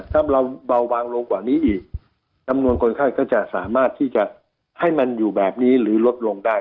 ถ้าเราเบาบางลงกว่านี้อีกจำนวนคนไข้ก็จะสามารถที่จะให้มันอยู่แบบนี้หรือลดลงได้